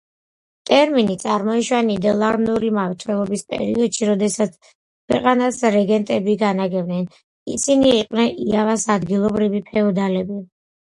ტერმინი წარმოიშვა ნიდერლანდური მმართველობის პერიოდში, როდესაც ქვეყანას რეგენტები განაგებდნენ, ისინი იყვნენ იავას ადგილობრივი ფეოდალები.